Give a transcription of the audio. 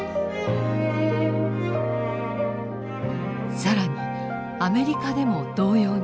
更にアメリカでも同様に調査。